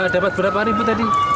dapat berapa ribu tadi